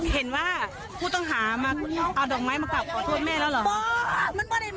เห็นว่าผู้ต้องหามาเอาดอกไม้มากลับขอโทษแม่แล้วเหรอ